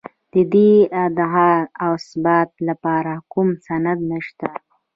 د دې ادعا د اثبات لپاره کوم سند نشته